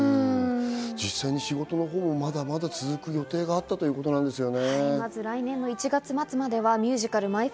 実際に仕事のほうもまだまだ続く予定があったということなんですよね。